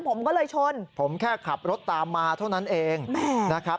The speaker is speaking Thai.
ผมก็เลยชนผมแค่ขับรถตามมาเท่านั้นเองนะครับ